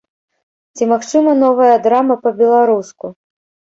Ці магчыма новая драма па-беларуску?